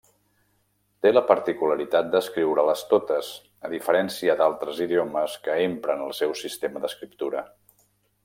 Té la particularitat d'escriure-les totes, a diferència d'altres idiomes que empren el seu sistema d'escriptura.